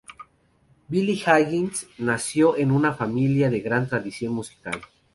Billy Higgins nació en una familia de gran tradición musical.